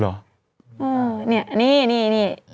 อื้อเนี่ยนี่